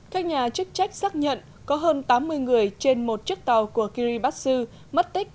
các nhà chức trách xác nhận có hơn tám mươi người trên một chiếc tàu của kiribass mất tích